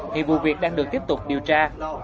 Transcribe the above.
thì vụ việc đang được tiếp tục điều tra